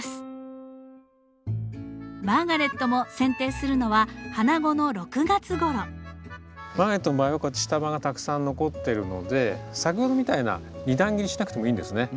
マーガレットもせん定するのはマーガレットの場合はこうやって下葉がたくさん残ってるので先ほどみたいな２段切りしなくてもいいんですね。